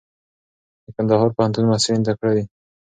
د کندهار پوهنتون محصلین تکړه دي.